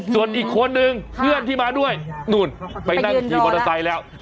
ส่วนอีกคนนึงเพื่อนที่มาด้วยนู่นไปนั่งขี่มอเตอร์ไซค์แล้ว